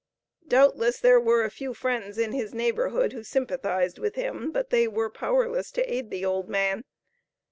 Doubtless there were a few friends in his neighborhood who sympathized with him, but they were powerless to aid the old man.